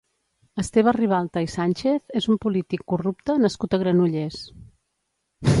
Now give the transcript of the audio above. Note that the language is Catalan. Esteve Ribalta i Sánchez és un polític corrupte nascut a Granollers.